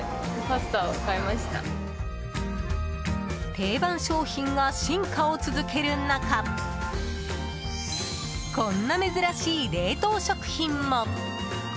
定番商品が進化を続ける中こんな珍しい冷凍食品も。